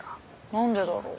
何でだろう？